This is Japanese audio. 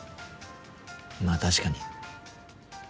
まあ確かに。